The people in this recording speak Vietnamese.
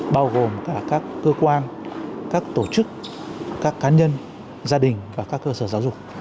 bao gồm cả các cơ quan các tổ chức các cá nhân gia đình và các cơ sở giáo dục